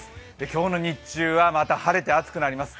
今日の日中は、また晴れて暑くなります。